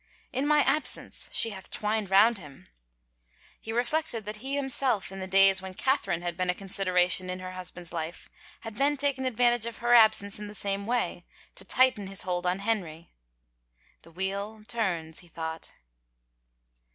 '' In my absence she hath twined round him." He reflected that he himself, in the days when Catherine had been a consideration in her hus band's life, had then taken advantage of her absence in the same way, to tighten his hold on Henry. " The wheel turns," he thought.